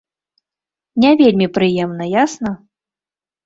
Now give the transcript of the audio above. Не вельмі прыемна, ясна.